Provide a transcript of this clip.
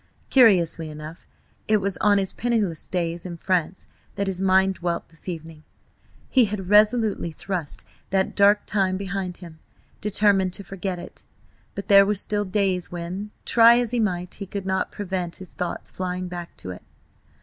Curiously enough, it was on his penniless days in France that his mind dwelt this evening. He had resolutely thrust that dark time behind him, determined to forget it, but there were still days when, try as he might, he could not prevent his thoughts flying back to it.